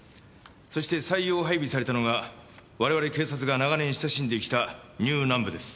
そして採用配備されたのが我々警察が長年親しんできたニューナンブです。